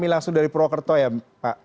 ini langsung dari prokerto ya pak